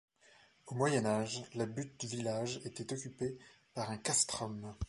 Au Moyen Âge, la butte du village était occupée par un castrum.